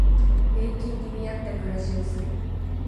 年金に見合った暮らしをする